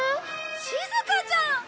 しずかちゃん！